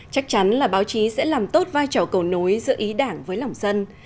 chắc chắn là báo chí sẽ làm tốt vai trò cầu nối giữa ý đảng với lòng dân